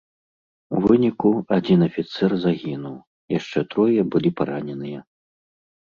У выніку адзін афіцэр загінуў, яшчэ трое былі параненыя.